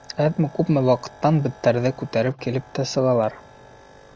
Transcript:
Әҙме-күпме ваҡыттан беттәрҙе күтәреп килеп тә сығалар.